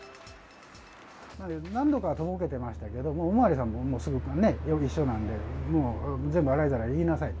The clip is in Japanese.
何度かとぼけてましたけど、お巡りさんも一緒なんで、もう全部洗いざらい言いなさいと。